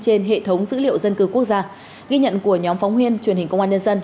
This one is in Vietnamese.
trên hệ thống dữ liệu dân cư quốc gia ghi nhận của nhóm phóng viên truyền hình công an nhân dân